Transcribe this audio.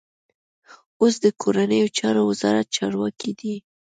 اوس د کورنیو چارو وزارت چارواکی دی.